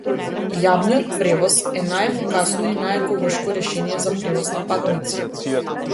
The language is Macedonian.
Јавниот превоз е најефикасно и најеколошко решение за превоз на патници.